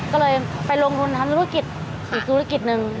ก็เลยไปลงทุนทำธุรกิจอีกธุรกิจหนึ่ง